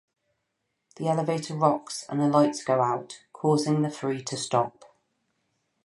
The elevator rocks and the lights go out, causing the three to stop.